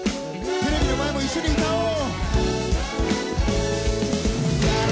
テレビの前も一緒に歌おう！